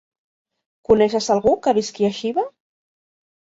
Coneixes algú que visqui a Xiva?